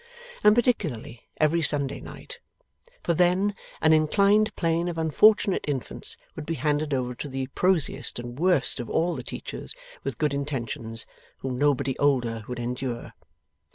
And particularly every Sunday night. For then, an inclined plane of unfortunate infants would be handed over to the prosiest and worst of all the teachers with good intentions, whom nobody older would endure.